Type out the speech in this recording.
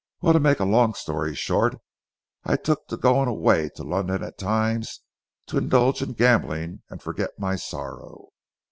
Well to make a long story short, I took to going away to London at times to indulge in gambling and forget my sorrow."